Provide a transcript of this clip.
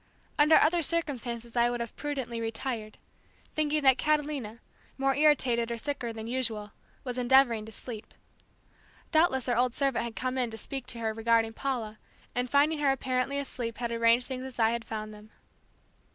Under other circumstances I would have prudently retired, thinking that Catalina, more irritated or sicker than usual, was endeavoring to sleep. Doubtless our old servant had come in to speak to her regarding Paula, and finding her apparently asleep had arranged things as I found them.